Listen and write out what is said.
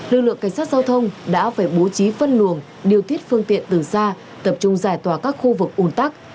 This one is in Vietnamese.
lực lượng cảnh sát giao thông đã phải bố trí phân luồng điều tiết phương tiện từ xa tập trung giải tỏa các khu vực ủn tắc